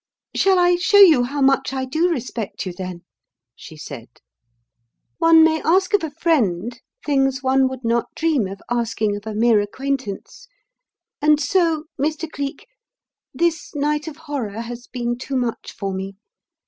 "Shall I show you how much I do respect you, then?" she said. "One may ask of a friend things one would not dream of asking of a mere acquaintance, and so Mr. Cleek, this night of horror has been too much for me.